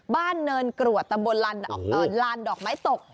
บ้านเนินกรัวตะบลลานดอกไม้ตก